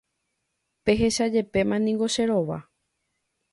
Pehechajepéma niko che rova.